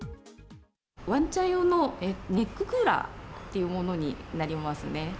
ワンちゃん用のネッククーラーっていうものになりますね。